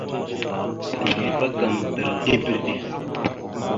Tisləváagam bredey bredey.